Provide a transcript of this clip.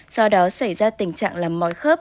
do đó xảy ra tình trạng làm mỏi khớp